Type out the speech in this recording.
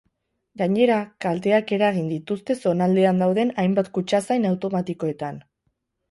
Gainera, kalteak eragin dituzte zonaldean dauden hainbat kutxazain automatikoetan.